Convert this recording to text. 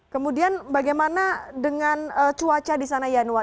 kemudian bagaimana dengan cuaca di sana yanuar